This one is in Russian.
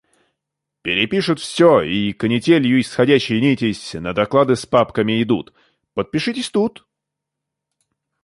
Перепишут всё и, канителью исходящей нитясь, на доклады с папками идут: – Подпишитесь тут!